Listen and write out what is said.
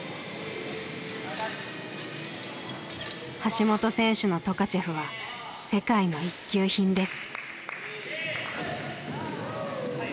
橋本選手のトカチェフは世界の一級品です。